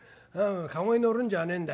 駕籠に乗るんじゃねえんだ。